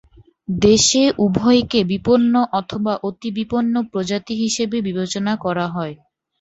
দেশে উভয়কে বিপন্ন অথবা অতি বিপন্ন প্রজাতি হিসেবে বিবেচনা করা হয়।